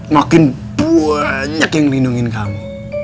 makin banyak yang melindungi kamu